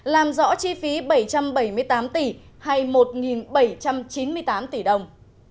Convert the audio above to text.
làm rõ chi phí bảy trăm bảy mươi tám tỷ hay một bảy trăm chín mươi tám tỷ đồng